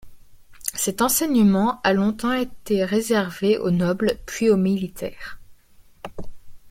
Cet enseignement a longtemps été réservé aux nobles, puis aux militaires.